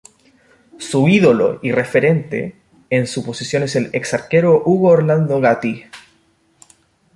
Su ídolo y referente en su posición es el ex arquero Hugo Orlando Gatti.